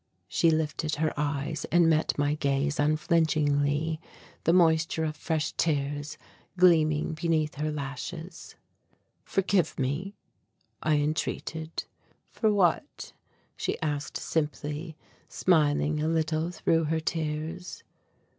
She lifted her eyes and met my gaze unflinchingly, the moisture of fresh tears gleaming beneath her lashes. "Forgive me," I entreated. "For what?" she asked simply, smiling a little through her tears.